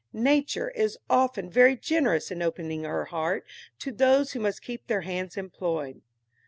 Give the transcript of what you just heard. Nature is often very generous in opening her heart to those who must keep their hands employed.